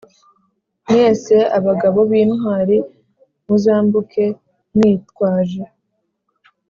Mwese abagabo b intwari muzambuke mwitwaje